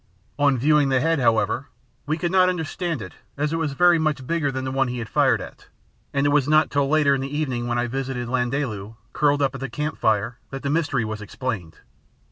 On viewing the head, however, we could not understand it, as it was very much bigger than the one he had fired at; and it was not till later in the evening when I visited Landaalu, curled up at the camp fire, that the mystery was explained.